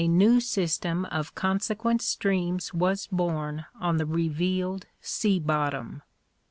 new system of consequent streams was born on the revealed sea bottom.